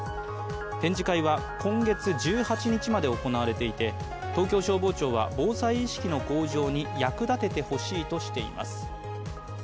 展示会は今月１８日まで行われていて、東京消防庁は防災意識の向上に役立ててほしいとしています。